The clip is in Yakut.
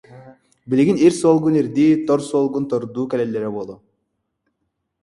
Билигин ир суолгун ирдии, тор суолгун тордуу кэлэллэрэ буолуо»